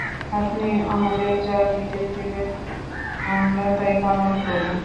আপনি আমাদের যা নির্দেশ দিবেন আমরা তাই পালন করব।